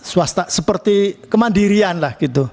swasta seperti kemandirian lah gitu